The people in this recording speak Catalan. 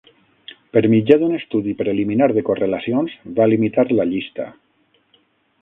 Per mitjà d'un estudi preliminar de correlacions, va limitar la llista.